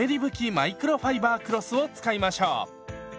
マイクロファイバークロスを使いましょう。